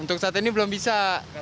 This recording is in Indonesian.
untuk saat ini belum bisa